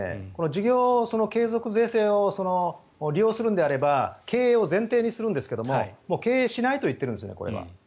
事業継続税制を利用するのであれば経営を前提にするんですが経営しないと言っているんですね、これは。